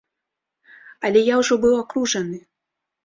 Але я ўжо быў акружаны.